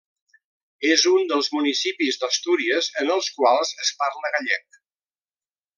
És un dels municipis d'Astúries en els quals es parla gallec.